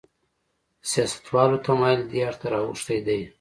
د سیاستوالو تمایل دې اړخ ته راوښتی دی.